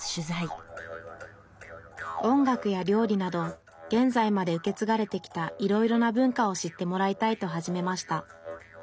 音楽や料理など現在まで受け継がれてきたいろいろな文化を知ってもらいたいと始めました